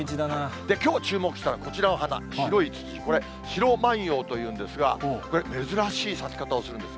きょう、注目したのはこちらの花、白いツツジ、これ、白万葉というんですが、これ、珍しい咲き方をするんです。